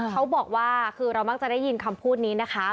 เขาบอกว่าคือเรามักจะได้ยินคำพูดนี้นะคะ